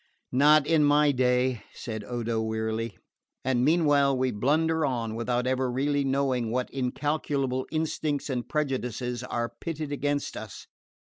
"Not in my day," said Odo wearily. "And meanwhile we blunder on, without ever really knowing what incalculable instincts and prejudices are pitted against us.